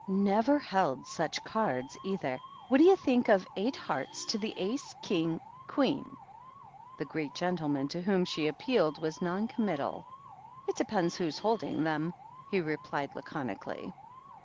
"Never held such cards, either. What do you think of eight hearts to the Ace, King, Queen ?" The Greek gentleman, to whom she appealed, was non committal. "It depends who was holding them," he replied lacon ically.